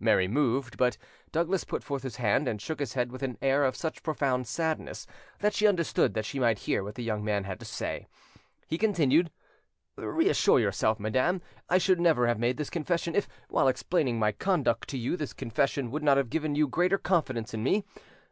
Mary moved; but Douglas put forth his hand and shook his head with an air of such profound sadness, that she understood that she might hear what the young man had to say. He continued: "Reassure yourself, madam; I should never have made this confession if, while explaining my conduct to you, this confession would not have given you greater confidence in me.